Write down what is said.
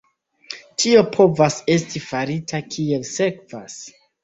Tio povas esti farita kiel sekvas.